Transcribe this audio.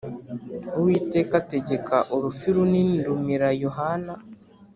Uwiteka ategeka urufi runini rumira yohana